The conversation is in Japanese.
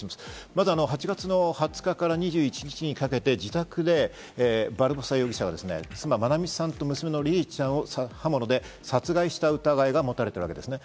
まずは８月の２０日から２１日にかけて、自宅でバルボサ容疑者は妻・愛美さんと娘のリリィちゃんを刃物で殺害した疑いが持たれているわけですね。